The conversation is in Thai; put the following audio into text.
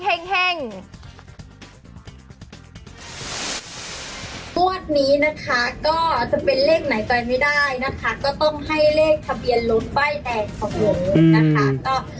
งวดนี้นะคะก็จะเป็นเลขไหนไปไม่ได้นะคะก็ต้องให้เลขทะเบียนรถป้ายแดงของหนูนะคะ